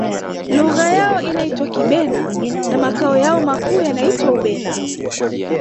lugha yao inaitwa kibena na makao yao makuu yanaitwa ubena